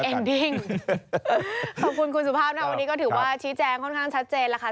ขอบคุณคุณสุภาพนะวันนี้ก็ถือว่าชี้แจงค่อนข้างชัดเจนแล้วค่ะ